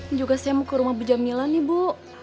ini juga saya mau ke rumah bejamila nih bu